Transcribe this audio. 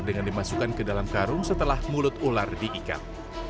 dengan dimasukkan ke dalam karung setelah mulut ular diikat